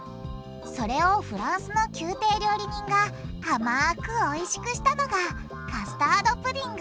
それをフランスの宮廷料理人が甘くおいしくしたのがカスタードプディング。